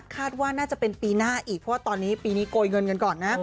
คาดว่าน่าจะเป็นปีหน้าอีกเพราะว่าตอนนี้ปีนี้โกยเงินกันก่อนนะ